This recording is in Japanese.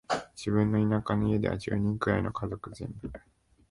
自分の田舎の家では、十人くらいの家族全部、